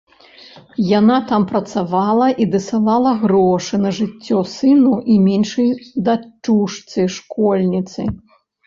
Яна там працавала і дасылала грошы на жыццё сыну і меншай дачушцы-школьніцы.